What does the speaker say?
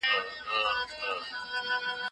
آيا په رښتيا ملي ګرايي پرون يو خيانت و؟